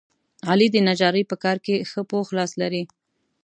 علي د نجارۍ په کار کې ښه پوخ لاس لري.